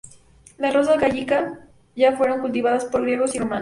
Las rosas gallica ya fueron cultivadas por griegos y romanos.